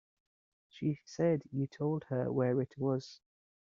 She said you told her where it was.